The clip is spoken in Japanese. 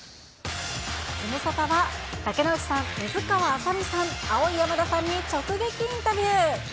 ズムサタは、竹野内さん、水川あさみさん、アオイヤマダさんに直撃インタビュー。